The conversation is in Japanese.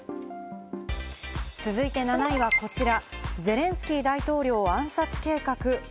続いて７位はこちら。